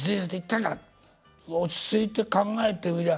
落ち着いて考えてみりゃ